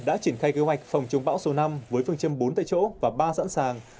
đã triển khai kế hoạch phòng chống bão số năm với phương châm bốn tại chỗ và ba sẵn sàng